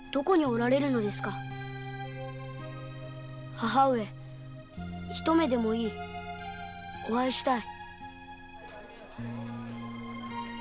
母上ひと目でもいいお会いしたい。